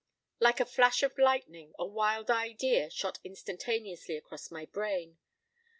p> Like a flash of lightning, a wild idea shot instantaneously across my brain.